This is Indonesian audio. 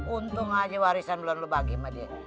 untung aja warisan bulan lu bagi sama dia